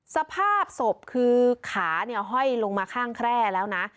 สภาพศพคือขาเนี่ยห้อยลงมาข้างแคร่แล้วนะ